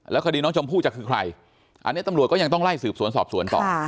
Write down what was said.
คดีน้องชมพู่จะคือใครอันนี้ตำรวจก็ยังต้องไล่สืบสวนสอบสวนต่อ